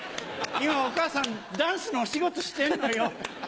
今お母さんダンスのお仕事してんのよ。